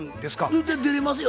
全然出れますよ。